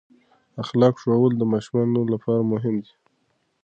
اخلاق ښوول د ماشومانو لپاره مهم دي.